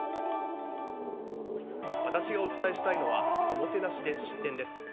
私がお伝えしたいのはおもてなしで失点です。